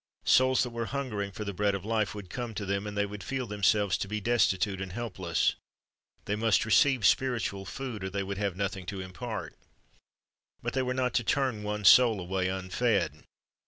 Souls that were hungering for the bread of hfe would come to them, and they would feel themselves to be destitute and helpless. They must receive spiritual food, or they would have nothing to impart. But they were not to turn one soul away unfed.